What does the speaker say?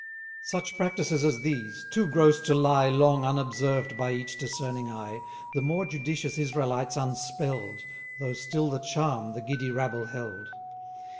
Such practices as these, too gross to lie Long unobserved by each discerning eye, The more judicious Israelites unspell'd, Though still the charm the giddy rabble held.